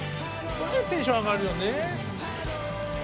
これテンション上がるよね。